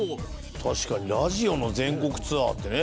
確かにラジオの全国ツアーってね。